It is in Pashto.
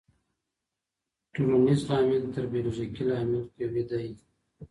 ټولنيز لامل تر بيولوژيکي لامل قوي دی.